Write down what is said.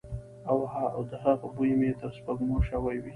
او د هغه بوی مې تر سپوږمو شوی وی.